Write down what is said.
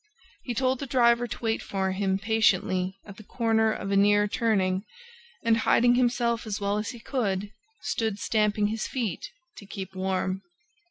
He told the driver to wait for him patiently at the corner of a near turning and, hiding himself as well as he could, stood stamping his feet to keep warm.